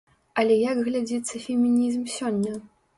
Але як глядзіцца фемінізм сёння?